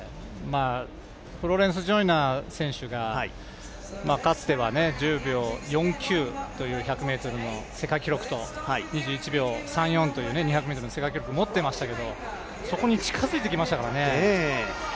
フローレンス・ジョイナー選手がかつては１０秒４９という１００ｍの世界記録と２１秒３４という２００ｍの世界記録を持っていましたけれども、そこに近づいてきましたからね。